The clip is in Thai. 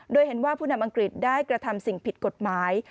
โดยเห็นว่าผู้นำอังกฤษได้กระทำสิ่งผิดกฎหมาย